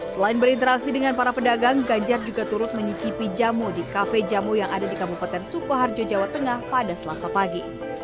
selain berinteraksi dengan para pedagang ganjar juga turut mencicipi jamu di kafe jamu yang ada di kabupaten sukoharjo jawa tengah pada selasa pagi